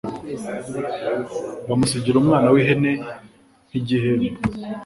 Bamusigira umwana w'ihene nk'igihembo.